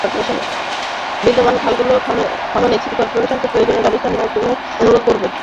বিদ্যমান খালগুলো খননে সিটি করপোরেশনকে প্রয়োজনীয় ব্যবস্থা নেওয়ার জন্য অনুরোধ করব।